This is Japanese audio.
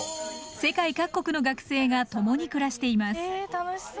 世界各国の学生が共に暮らしています。